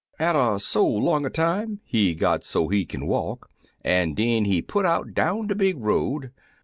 "Atter so long a time he got so he kin walk, an' den he put out down de big road.